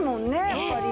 やっぱり。